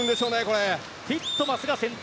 ティットマスが先頭。